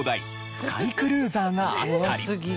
スカイクルーザーがあったり。